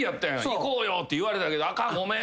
「行こうよ」って言われたけどあかんごめん言うて。